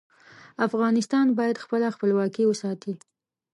افغانستان باید خپله خپلواکي وساتي.